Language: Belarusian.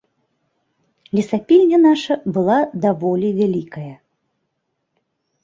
Лесапільня наша была даволі вялікая.